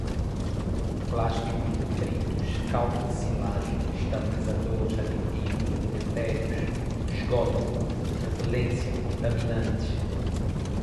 plásticos, detritos, caldo de silagem, estabilizadores, aditivos, deletérios, esgote, repelência, contaminantes